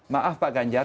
maaf pak ganjar